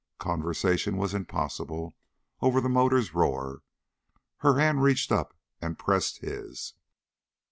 Conversation was impossible over the motor's roar. Her hand reached up and pressed his.